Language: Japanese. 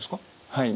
はい。